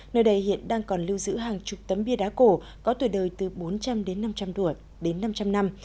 nơi đây hiện đang còn lưu giữ hàng chục tấm bia đá cổ có tuổi đời từ bốn trăm linh đến năm trăm linh đuổi đến năm trăm linh năm